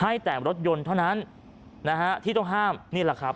ให้แต่รถยนต์เท่านั้นนะฮะที่ต้องห้ามนี่แหละครับ